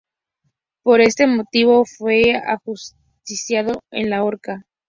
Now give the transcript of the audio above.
Por este motivo, fue ajusticiado en la horca.